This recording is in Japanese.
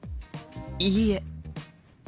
いいえ。